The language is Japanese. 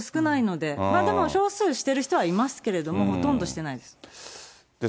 でも少数、してる人はいますけれども、ほとんどしてないです。